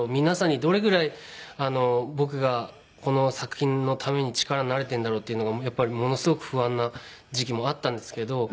皆さんにどれぐらい僕がこの作品のために力になれてるんだろうっていうのがやっぱりものすごく不安な時期もあったんですけど。